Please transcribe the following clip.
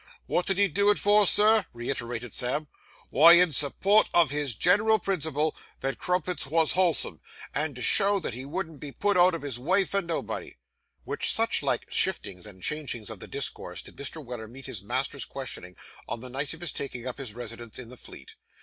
'Wot did he do it for, Sir?' reiterated Sam. 'Wy, in support of his great principle that crumpets wos wholesome, and to show that he wouldn't be put out of his way for nobody!' With such like shiftings and changings of the discourse, did Mr. Weller meet his master's questioning on the night of his taking up his residence in the Fleet.